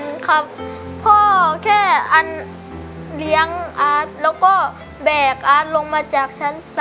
ครับพ่อแค่อันเลี้ยงอาร์ตแล้วก็แบกอาร์ตลงมาจากชั้น๓